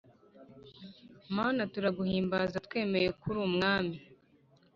Mana turaguhimbaza twemeye ko uri umwami